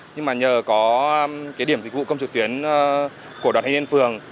nhưng mà nhờ có cái điểm dịch vụ công trực tuyến của đoàn thanh niên phường